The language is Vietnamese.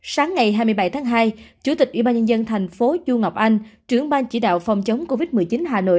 sáng ngày hai mươi bảy tháng hai chủ tịch ubnd thành phố chu ngọc anh trưởng ban chỉ đạo phòng chống covid một mươi chín hà nội